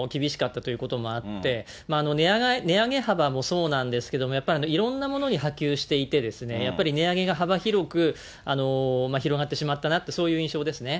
ことしは気象条件も厳しかったということもあって、値上げ幅もそうなんですけども、やっぱりいろんなものに波及していて、やっぱり値上げが幅広く広がってしまったなっていうそういう印象ですね。